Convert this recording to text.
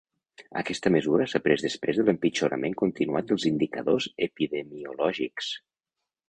Aquesta mesura s’ha pres després de l’empitjorament continuat dels indicadors epidemiològics.